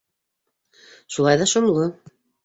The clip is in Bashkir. Шулай ҙа шомло.